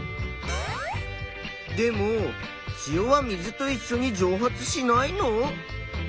でも塩は水といっしょに蒸発しないの？